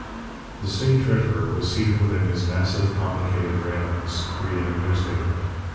The state treasurer was seated within his massive, complicated railings, reading a newspaper.